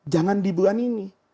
jangan di bulan ini